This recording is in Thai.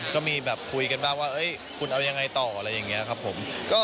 ก็มีแบบคุยกันบ้างว่าคุณเอายังไงต่ออะไรอย่างนี้ครับผม